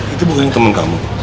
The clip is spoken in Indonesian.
itu bukan temen kamu